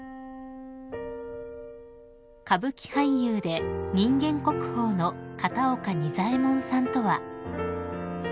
［歌舞伎俳優で人間国宝の片岡仁左衛門さんとは］